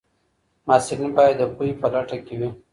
محصلین باید د پوهي په لټه کي وي.